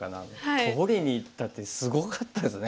取りにいったってすごかったですね。